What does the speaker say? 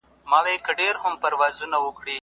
سرمایه داري یوازي پیسې پېژني.